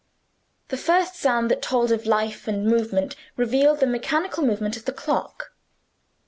The first sound that told of life and movement revealed the mechanical movement of the clock.